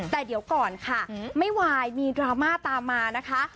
แต่เดี๋ยวก่อนค่ะไม่ไหวมีดราม่าตามมานะคะ